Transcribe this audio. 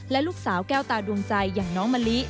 และลูกสาวแก้วตาดวงใจอย่างน้องมะลิ